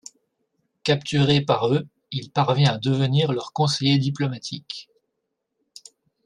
Capturé par eux, il parvient à devenir leur conseiller diplomatique.